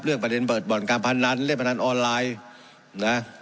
เรื่องประเด็นเบิดบ่อนการพนันเรียนพนันออนไลน์